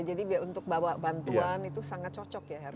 jadi untuk bawa bantuan itu sangat cocok ya hercules